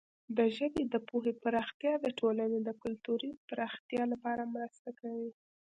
د ژبې د پوهې پراختیا د ټولنې د کلتوري پراختیا لپاره مرسته کوي.